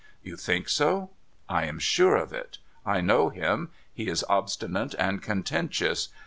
' You think so ?'' I am sure of it, I know him. He is obstinate and contentious.